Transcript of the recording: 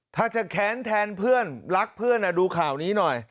ถ้าจะแค้นแทนเพื่อนรักเพื่อนดูข่าวนี้หน่อย